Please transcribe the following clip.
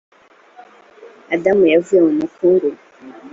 adamu yavuye mu mukungugu